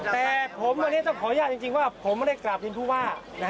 แต่ผมวันนี้จะขออนุญาตจริงว่าไม่ได้กราบบทธินภูวา